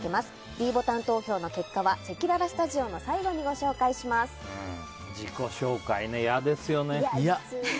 ｄボタン投票の結果はせきららスタジオの最後に自己紹介ね、嫌ですよね。